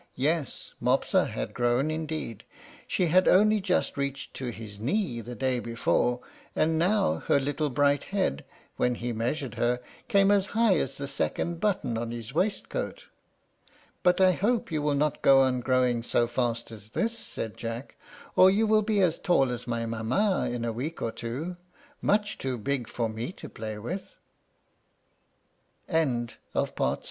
Yes, Mopsa had grown indeed; she had only just reached to his knee the day before, and now her little bright head, when he measured her, came as high as the second button of his waistcoat. "But I hope you will not go on growing so fast as this," said Jack, "or you will be as tall as my mamma is in a week or two, much too big for me to play with." CHAPTER X. MOPSA LEARNS HER LET